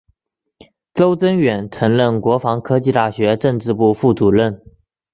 邹征远曾任国防科技大学政治部副主任。